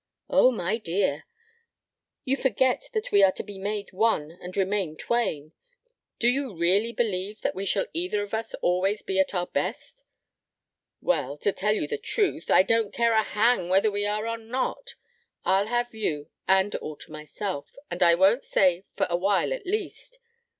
"Oh, my dear! You forget that we are to be made one and remain twain. Do you really believe that we shall either of us always be at our best?" "Well, to tell you the truth, I don't care a hang whether we are or not. I'll have you, and all to myself. And I won't say 'for a while, at least.'